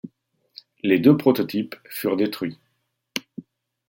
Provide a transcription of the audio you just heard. Les deux prototypes furent détruits.